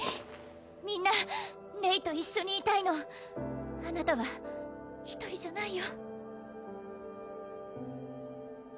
みんなレイと一緒にいたいのあなたは一人じゃないよ